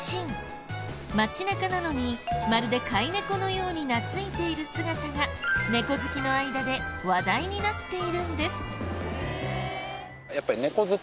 街中なのにまるで飼い猫のように懐いている姿が猫好きの間で話題になっているんです。